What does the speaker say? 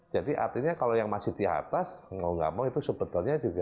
jadi artinya kalau yang masih di atas kalau nggak mau itu sebetulnya juga